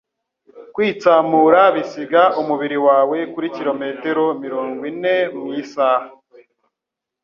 Kwitsamura bisiga umubiri wawe kuri kilometero mirongo ine mu isaha